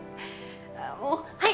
あもうはい！